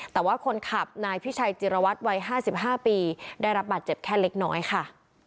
แต่ว่าคนขับนายพิชัยจิรวัตรวัย๕๕ปีได้รับบาดเจ็บแค่เล็กน้อยค่ะ